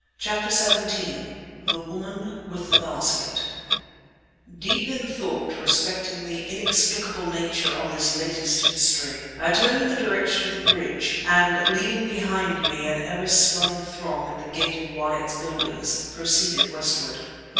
CHAPTER XVII THE WOMAN WITH THE BASKET Deep in thought respecting the inexplicable nature of this latest mystery, I turned in the direction of the bridge, and leaving behind me an ever swelling throng at the gate of Wyatt's Buildings, proceeded westward.